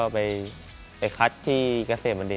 เป็นคนทีมเผยบรี